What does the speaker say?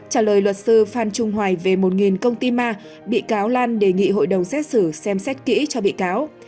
trả lời luật sư phan trung hoài về một công ty ma bị cáo lan đề nghị hội đồng xét xử xem xét kỹ cho bị cáo